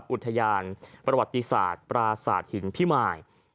อุทยานประวัติศาสตร์ปราสาทินภิมาย